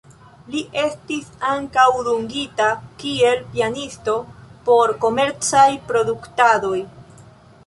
Li estis ankaŭ dungita kiel pianisto por komercaj produktadoj.